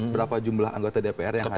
berapa jumlah anggota dpr yang hadir